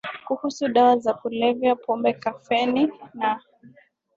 kuhusu dawa za kulevya pombe kafeni na